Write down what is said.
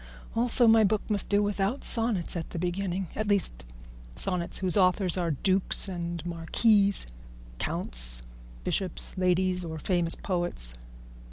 Also my book must do without sonnets at the beginning, at least sonnets whose authors are dukes, marquises, counts, bishops, ladies, or famous poets.